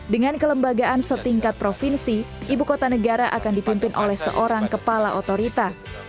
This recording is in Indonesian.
dengan kelembagaan setingkat provinsi ibu kota negara akan dipimpin oleh seorang kepala otorita